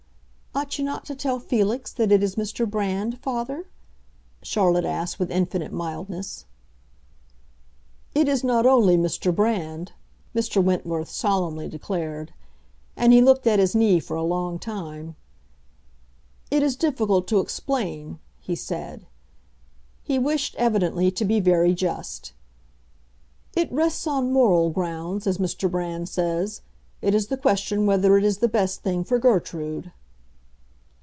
"Ought you not to tell Felix that it is Mr. Brand, father?" Charlotte asked, with infinite mildness. "It is not only Mr. Brand," Mr. Wentworth solemnly declared. And he looked at his knee for a long time. "It is difficult to explain," he said. He wished, evidently, to be very just. "It rests on moral grounds, as Mr. Brand says. It is the question whether it is the best thing for Gertrude."